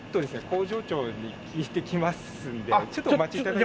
工場長に聞いてきますのでちょっとお待ち頂いても？